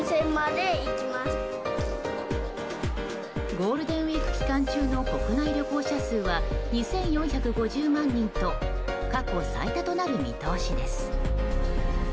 ゴールデンウィーク期間中の国内旅行者数は２４５０万人と過去最多となる見通しです。